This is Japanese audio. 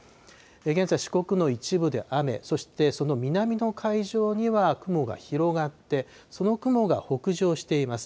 現在、四国の一部で雨、そしてその南の海上には雲が広がって、その雲が北上しています。